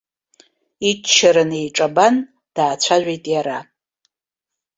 Иччара неиҿабан, даацәажәеит иара.